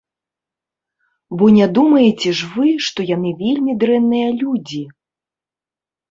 Бо не думаеце ж вы, што яны вельмі дрэнныя людзі!